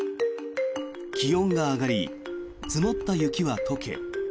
気温が上がり積もった雪は解け